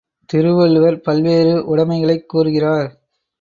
திருவள்ளுவர் பல்வேறு உடைமைகளைக் கூறுகிறார்.